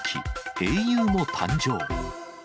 英雄も誕生。